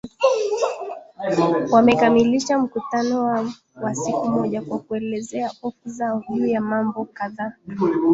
wamekamilisha mkutano wao wa siku moja kwa kuelezea hofu zao juu ya mambo kadhaa